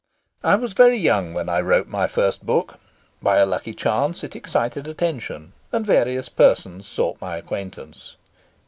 I was very young when I wrote my first book. By a lucky chance it excited attention, and various persons sought my acquaintance.